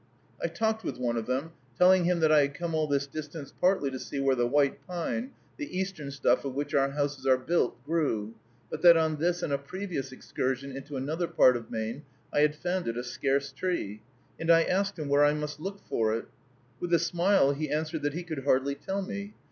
I talked with one of them, telling him that I had come all this distance partly to see where the white pine, the Eastern stuff of which our houses are built, grew, but that on this and a previous excursion into another part of Maine I had found it a scarce tree; and I asked him where I must look for it. With a smile, he answered that he could hardly tell me.